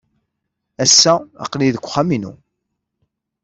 Ass-a aql-iyi deg uxxam-inu.